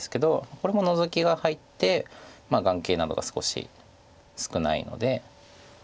これもノゾキが入って眼形などが少し少ないので。